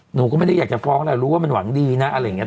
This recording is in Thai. หนูก็ไม่ได้อยากจะฟ้องอะไรรู้ว่ามันหวังดีนะอะไรอย่างนี้